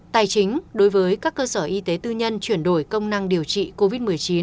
tài chính đối với các cơ sở y tế tư nhân chuyển đổi công năng điều trị covid một mươi chín